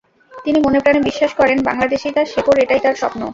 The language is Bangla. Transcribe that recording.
তিনি মনে প্রাণে বিশ্বাস করেন, বাংলাদেশেই তাঁর শেকড়, এটাই তাঁর স্বপ্ন।